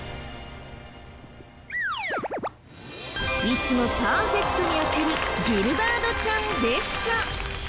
いつもパーフェクトに当てるギルバートちゃんでした。